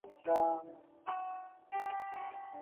讨论节目以社会科学为话题。